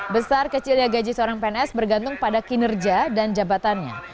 besar kecilnya gaji seorang pns bergantung pada kinerja dan jabatannya